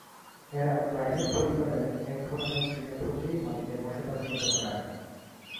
এরা প্রাইমেট পরিবারের এক ধরনের তৃণভোজী, মাটিতে বসবাসরত প্রাণী।